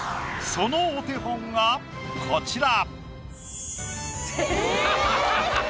そのお手本がこちら。